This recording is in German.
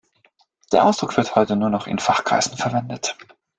Der Ausdruck wird heute nur noch in Fachkreisen verwendet.